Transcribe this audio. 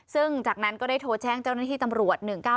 ซึ่งจากนั้นก็ได้โทรแจ้งเจ้าหน้าที่ตำรวจ๑๙๙